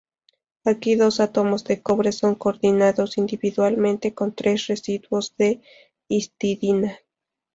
Aquí dos átomos de cobre son coordinados individualmente con tres residuos de histidina.